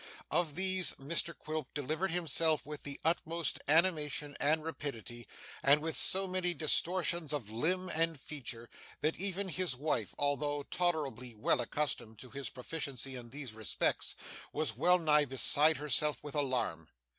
Of these Mr Quilp delivered himself with the utmost animation and rapidity, and with so many distortions of limb and feature, that even his wife, although tolerably well accustomed to his proficiency in these respects, was well nigh beside herself with alarm.